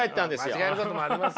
間違えることもありますよ。